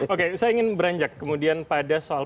oke saya ingin beranjak kemudian pada soal